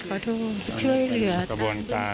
ก้าว